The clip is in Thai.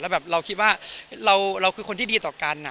แบบเราคิดว่าเราคือคนที่ดีต่อกัน